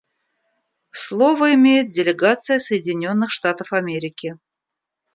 Слово имеет делегация Соединенных Штатов Америки.